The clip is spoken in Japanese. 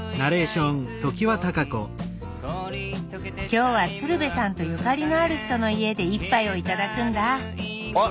今日は鶴瓶さんとゆかりのある人の家で一杯を頂くんだあっ！